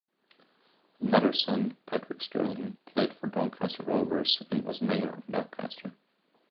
Another son, Patrick Stirling played for Doncaster Rovers and was Mayor of Doncaster.